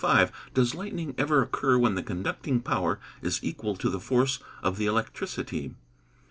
_Does lightning ever occur when the conducting power is equal to the force of the electricity?